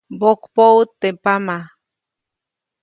Mbokpäʼut teʼ pama.